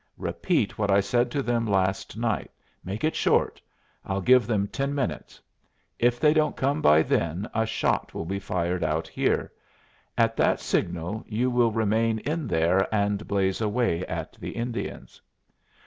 Repeat what I said to them last night. Make it short. I'll give them ten minutes. If they don't come by then a shot will be fired out here. At that signal you will remain in there and blaze away at the Indians."